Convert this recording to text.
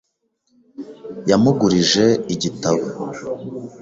Yamugurije igitabo .